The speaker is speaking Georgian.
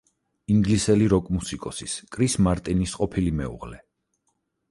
ინგლისელი როკ-მუსიკოს კრის მარტინის ყოფილი მეუღლე.